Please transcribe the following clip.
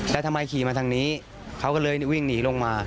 แล้วทำไมขี่มาทางนี้เขาก็เลยวิ่งหนีลงมา